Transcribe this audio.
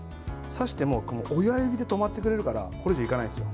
刺しても親指で止まってくれるからこれ以上いかないです。